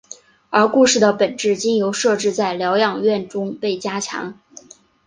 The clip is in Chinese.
而故事的本质经由设置在疗养院中被加强。